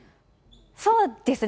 そうですね。